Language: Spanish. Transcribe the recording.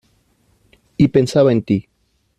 y pensaba en ti.